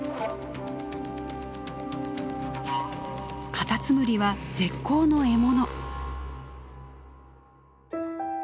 カタツムリは絶好の獲物。